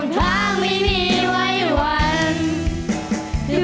จดจำไว้ตลอดไปไม่ทิ้งกัน